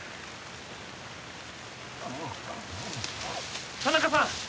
ああっ田中さん